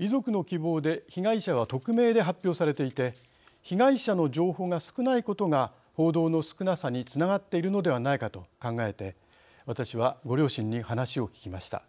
遺族の希望で被害者は匿名で発表されていて被害者の情報が少ないことが報道の少なさにつながっているのではないかと考えて私は、ご両親に話を聞きました。